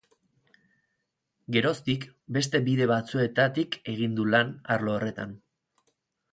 Geroztik, beste bide batzuetatik egin du lan arlo horretan.